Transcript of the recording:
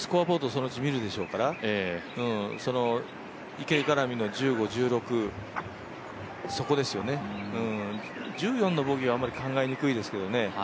そのうち見るでしょうから、池絡みの１５、１６、そこですよね、１４のボギーはあまり考えにくいですけどね。